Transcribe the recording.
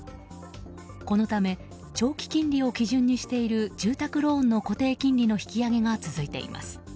このため長期金利を基準にしている住宅ローンの固定金利の引き上げが続いています。